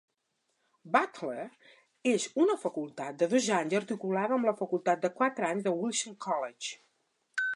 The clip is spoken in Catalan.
Butler es una facultat de dos anys articulada amb la facultat de quatre anys Wilson College.